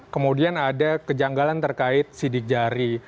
kemudian ada kejanggalan terkait sidik jari